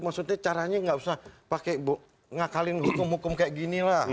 maksudnya caranya nggak usah ngakalin hukum hukum kayak ginilah